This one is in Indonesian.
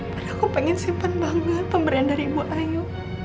padahal aku pengen simpan bangga pemberian dari ibu ayu